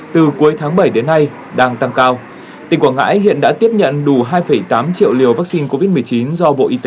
từ cuối tháng bảy đến cuối tháng tám